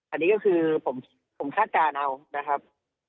อันนี้ก็คือผมคาดการณ์ในแบบนี้นะครับ